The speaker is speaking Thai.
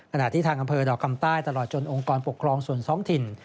ขณะที่ทางอำเภอดอกคำใต้ตลอดจนองค์กรปกครองส่วนท้องถิ่น